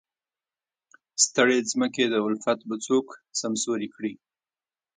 ستړې ځمکې د الفت به څوک سمسورې کړي.